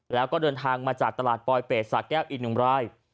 แล้วก็เดินทางมาจากตลาดปอยเปรตศักดิ์แก้วอิน๑ราย